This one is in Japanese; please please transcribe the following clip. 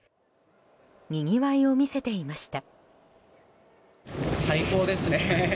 にぎわいを見せていました。